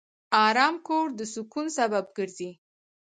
آرام کور د سکون سبب ګرځي.